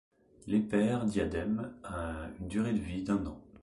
L'Épeire diadème a une durée de vie d'un an.